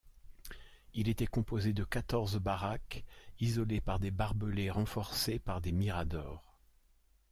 Il était composé de quatorze baraques, isolées par des barbelés renforcés par des miradors.